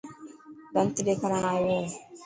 ڏنت ڏيکارڻ ايو هي.